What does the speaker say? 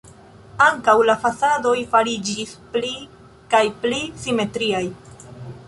Ankaŭ la fasadoj fariĝis pli kaj pli simetriaj.